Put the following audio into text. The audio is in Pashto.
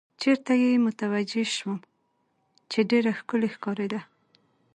چېرې ته یې متوجه شوم، چې ډېره ښکلې ښکارېده.